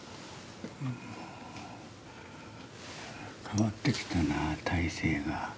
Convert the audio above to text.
変わってきたな体勢が。